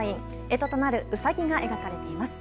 干支となるうさぎが描かれています。